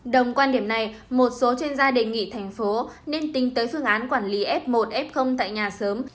đồng quan điểm này một số chuyên gia đề nghị thành phố nên tính tới phương án quản lý f một f tại nhà sớm